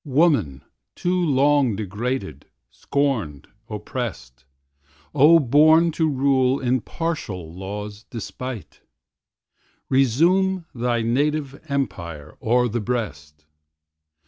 Woman! too long degraded, scorned, opprest; O born to rule in partial Law's despite, Resume thy native empire o'er the breast!